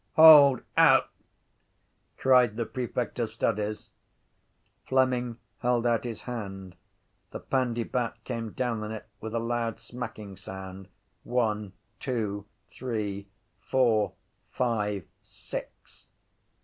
—Hold out! cried the prefect of studies. Fleming held out his hand. The pandybat came down on it with a loud smacking sound: one, two, three, four, five, six.